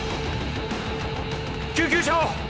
救急車を！